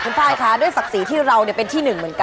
คุณฟ้ายคะด้วยฝักษีที่เราเนี่ยเป็นที่หนึ่งเหมือนกัน